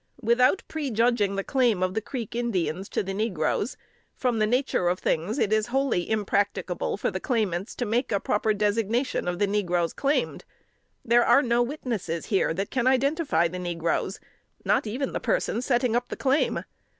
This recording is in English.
"Without prejudging the claim of the Creek Indians to the negroes, from the nature of things it is wholly impracticable for the claimants to make a proper designation of the negroes claimed. There are no witnesses here that can identify the negroes not even the person setting up the claim.